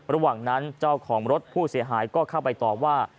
ระหว่างนั้นเจ้าของรถผู้เสียหายก็เข้าไปตอบว่า